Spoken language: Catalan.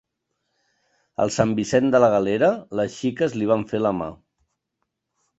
Al Sant Vicent de la Galera, les xiques li van fer la mà.